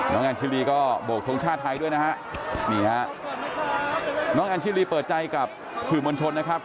แอนชิลีก็โบกทงชาติไทยด้วยนะฮะนี่ฮะน้องแอนชิลีเปิดใจกับสื่อมวลชนนะครับ